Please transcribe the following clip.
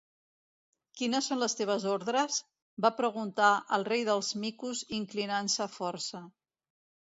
Quines són les teves ordres? va preguntar el Rei dels Micos inclinant-se força.